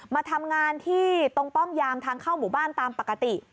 มาทำงานที่ตรงป้อมยามทางเข้าหมู่บ้านตามปกติ